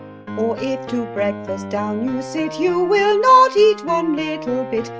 Or if to breakfast down you sit, You will not eat one little bit. 5.